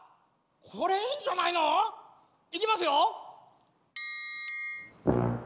これいいんじゃないの？いきますよ。